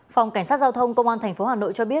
phòng cảnh sát giao thông công an tp hà nội cho biết